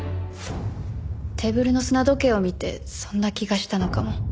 テーブルの砂時計を見てそんな気がしたのかも。